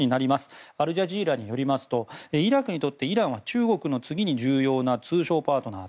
アルジャジーラによりますとイラクにとってイランは中国の次に重要な通商パートナー。